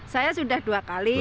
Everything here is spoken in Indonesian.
saya sudah dua kali